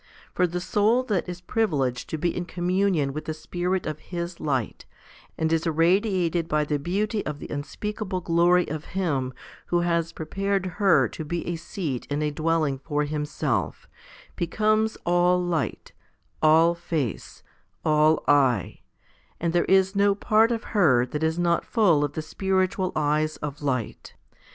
For the soul that is privileged to be in communion with the Spirit of His light, and is irradiated by the beauty of the unspeak able glory of Him who has prepared her to be a seat and a dwelling for Himself, becomes all light, all face, all eye ; and there is no part of her that is not full of the spiritual eyes of light.